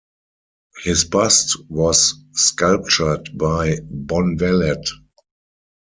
His bust was sculptured by Bonvallet.